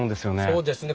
そうですね。